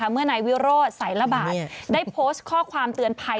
เมื่อในวิรโรซใส่ระบาดได้โพสต์ข้อความเตือนภัย